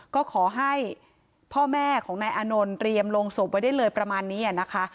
ก็ขอให้พ่อแม่ของนายอานนท์เตรียมลงศพไว้ได้เลยประมาณนี้นะคะ